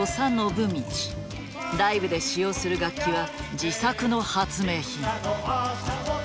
ライブで使用する楽器は自作の発明品。